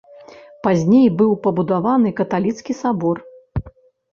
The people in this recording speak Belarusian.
Пазней быў пабудаваны каталіцкі сабор.